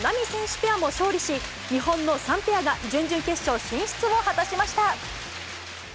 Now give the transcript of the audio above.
ペアも勝利し、日本の３ペアが、準々決勝進出を果たしました。